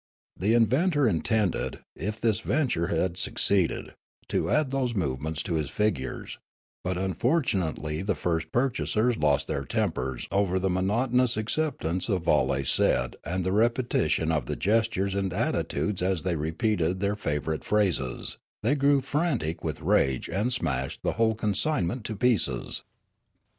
The inventor intended, if this venture had succeeded, to add those movements to his figures; but unfortunately the first purchasers lost their tempers over the monotonous acceptance of all they said and the repetition of the gestures and attitudes as they repeated their favourite phrases ; they grew frantic with rage and smashed the whole consignment to pieces.